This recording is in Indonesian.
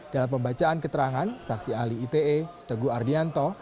dalam pembacaan keterangan saksi ahli ite teguh ardianto